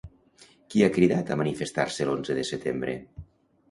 Qui ha cridat a manifestar-se l'Onze de Setembre?